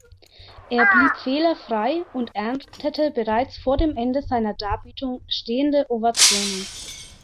Er blieb fehlerfrei und erntete bereits vor dem Ende seiner Darbietung stehende Ovationen.